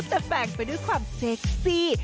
แต่แบ่งไปด้วยความเซ็กซี่